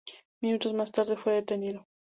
Minutos más tarde fue detenido.